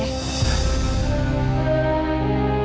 perkataan indira ada benarnya juga